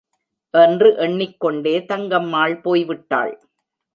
என்று எண்ணிக்கொண்டே தங்கம்மாள் போய்விட்டாள்.